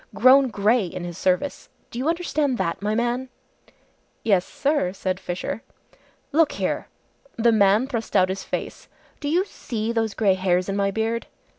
Grown grey in his service! Do you understand that, my man!" "Yes, sir," said Fisher. "Look here!" The man thrust out his face. "Do you see those grey hairs in my beard?"